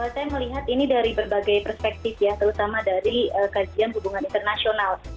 saya melihat ini dari berbagai perspektif ya terutama dari kajian hubungan internasional